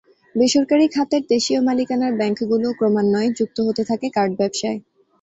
বেসরকারি খাতের দেশীয় মালিকানার ব্যাংকগুলোও ক্রমান্বয়ে যুক্ত হতে থাকে কার্ড ব্যবসায়।